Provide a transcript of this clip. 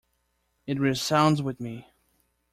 It resounds with me.